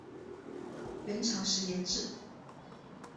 元朝时沿置。